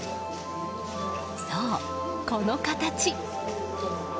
そう、この形。